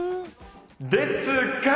ですが。